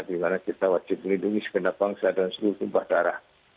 di mana kita wajib melindungi sekendap bangsa dan seluruh tumpah darah